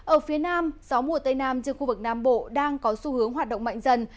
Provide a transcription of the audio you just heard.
ở phía nam gió mùa tây nam trên khu vực nam bộ đang có xu hướng hoạt động mạnh dần